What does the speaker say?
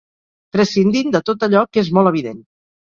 Prescindint de tot allò que és molt evident.